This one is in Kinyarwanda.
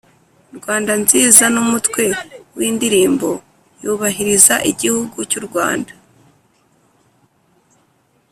rwanda nziza: ni umutwe w’indirimbo yubahiriza igihugu cy’u rwanda